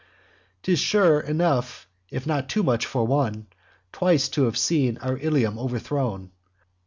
'Tis, sure, enough, if not too much, for one, Twice to have seen our Ilium overthrown.